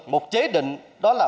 một chế định đó là